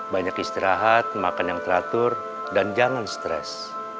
banyak istirahat makan yang teratur dan jangan stres